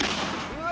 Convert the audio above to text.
うわ！